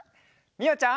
みおちゃん。